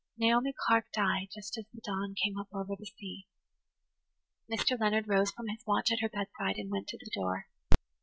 [Page 114] Naomi Clark died just as the dawn came up over the sea. Mr. Leonard rose from his watch at her bedside and went to the door.